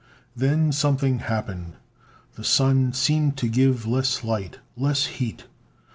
"Then something happened. The Sun seemed to give less light, less heat.